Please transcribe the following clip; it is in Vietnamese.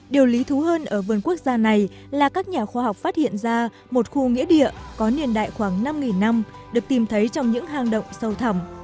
điều lý thú hơn ở vườn quốc gia này là các nhà khoa học phát hiện ra một khu nghĩa địa có niên đại khoảng năm năm được tìm thấy trong những hang động sâu thẳm